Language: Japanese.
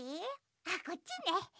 あっこっちね。